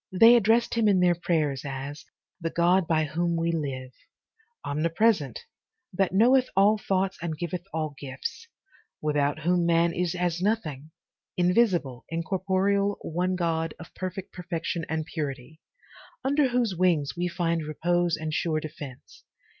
'They addressed him in their prayers as 'the God by whom we live,* 'omnipresent, that knoweth all thoughts, and giveth all gifts,' 'without whom man is as nothing, "invisible, incorporeal, one God, of perfect perfection and purity,* 'under whose wings we find repose and sure defence.'